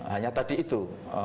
hanya tadi itu